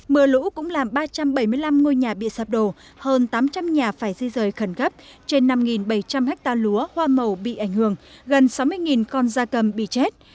mưa lũ cũng làm ba trăm bảy mươi năm ngôi nhà bị sập đổ hơn tám trăm linh nhà phải di rời khẩn cấp trên năm bảy trăm linh ha lúa hoa màu bị ảnh hưởng gần sáu mươi con da cầm bị chết